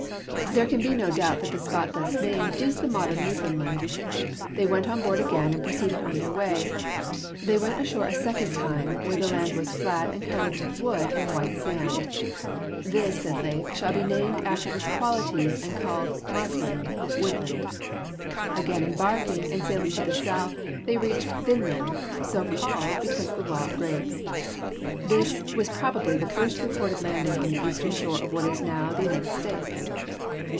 There can be no doubt that the spot thus named is the modern New foundland. They went on board again and proceeded on their way. They went ashore a second time where the land was flat and covered with wood and white sand. ''This," said Leif, "shall be named after its qualities and called Markland" (woodland). Again embarking and sailing to the south, they reached 'Vinland/ so called be cause of the wild grapes. This was probably the first recorded landing on the eastern shore of what is now the United States.